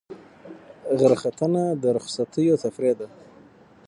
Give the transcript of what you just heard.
غره ختنه د رخصتیو تفریح ده.